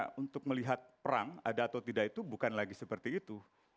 nah untuk melihat perang ada atau tidak itu bukan lagi seperti itu